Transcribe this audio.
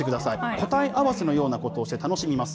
答え合わせのようなことをして楽しみます。